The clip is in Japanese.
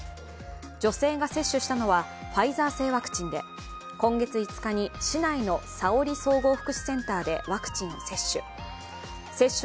女性が接種したのはファイザー製ワクチンで、今月５日に市内の佐織総合福祉センターでワクチンを背越州。